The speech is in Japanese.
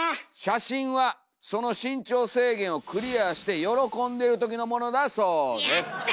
写真はその身長制限をクリアして喜んでるときのもの」だそうです。